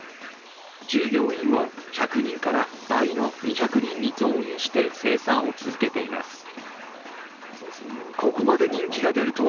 従業員を１００人から倍の２００人に増員して生産を続けています。